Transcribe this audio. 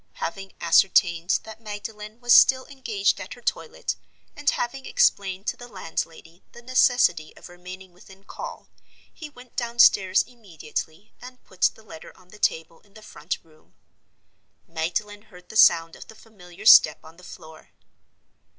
Having ascertained that Magdalen was still engaged at her toilet, and having explained to the landlady the necessity of remaining within call, he went downstairs immediately, and put the letter on the table in the front room. Magdalen heard the sound of the familiar step on the floor.